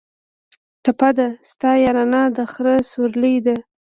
ټپه ده: ستا یارانه د خره سورلي ده